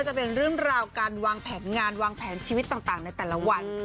จะเป็นเรื่องราวการวางแผนงานวางแผนชีวิตต่างในแต่ละวัน